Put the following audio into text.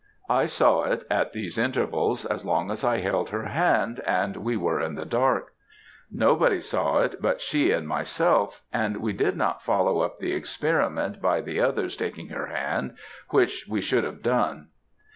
I saw it, at these intervals, as long as I held her hand and we were in the dark. Nobody saw it but she and myself; and we did not follow up the experiment by the others taking her hand, which we should have done.